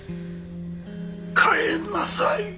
帰んなさい。